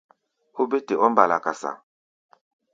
Ó bé te ɔ́ mbala-kasa.